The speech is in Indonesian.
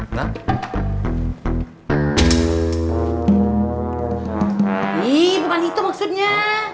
iiyy bukan itu maksudnya